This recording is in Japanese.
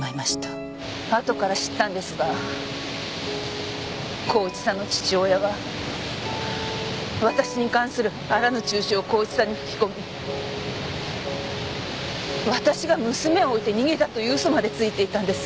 あとから知ったんですが孝一さんの父親は私に関するあらぬ中傷を孝一さんに吹き込み私が娘を置いて逃げたという嘘までついていたんです。